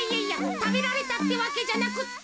たべられたってわけじゃなくって。